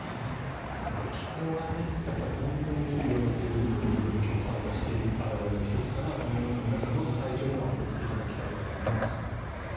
気候が本当に言われている極端化していることの表れの１つかなと思いますが皆さん、どうぞ体調にはお気をつけいただきたいと思います。